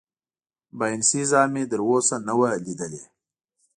باینسیزا مې تراوسه نه وه لیدلې.